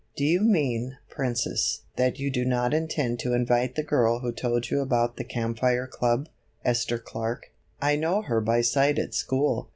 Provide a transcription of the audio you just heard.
"Do you mean, Princess, that you do not intend to invite the girl who told you about the Camp Fire Club, Esther Clark? I know her by sight at school."